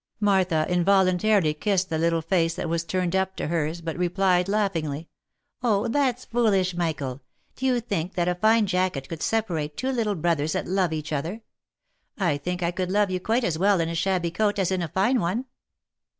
Martha involuntarily kissed the little face that was turned up to hers, but replied, laughingly, " Oh ! that's foolish, Michael; do you think that a fine jacket could separate two little brothers that love each other ?— I think I could love you quite as well in a shabby coat, as in a fine one."